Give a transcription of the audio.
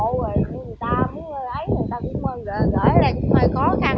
người ta muốn lấy người ta muốn gỡ gỡ lại cũng hơi khó khăn